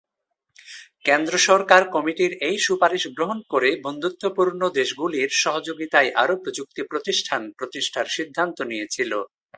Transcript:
কেন্দ্র সরকার কমিটির এই সুপারিশ গ্রহণ ক'রে বন্ধুত্বপূর্ণ দেশগুলির সহযোগিতায় আরও প্রযুক্তি প্রতিষ্ঠান প্রতিষ্ঠার সিদ্ধান্ত নিয়েছিল।